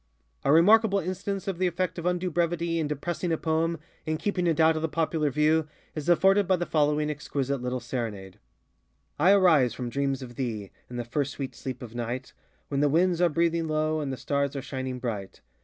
A remarkable instance of the effect of undue brevity in depressing a poem, in keeping it out of the popular view, is afforded by the following exquisite little SerenadeŌĆö I arise from dreams of thee In the first sweet sleep of night, When the winds are breathing low, And the stars are shining bright.